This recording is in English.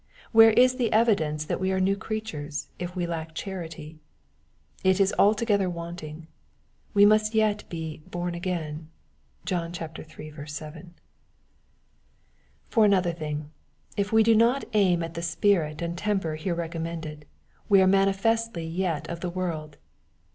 Where is the evidence that we are new creatures, if we lack charity ? It is altogether wanting. We must yet be " born again." (John iii. 7.) For another thing, if we do not aim at the spirit and temper here recommended, we are manifestly yet of the world.